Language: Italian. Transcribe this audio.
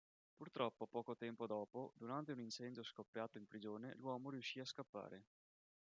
Purtroppo poco tempo dopo, durante un incendio scoppiato in prigione, l'uomo riuscì a scappare.